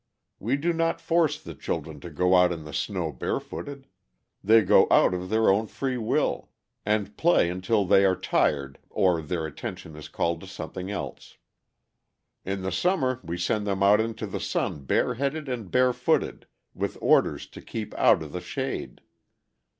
We do not force the children to go out in the snow barefooted; they go out of their own free will, and play until they are tired, or their attention is called to something else. [Illustration: A HOPI INDIAN AT ORAIBI SHELLING CORN.] "'In the summer we send them out into the sun bareheaded and barefooted, with orders to keep out of the shade.